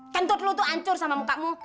kentut lu tuh ancur sama mukamu